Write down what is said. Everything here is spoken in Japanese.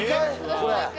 これ。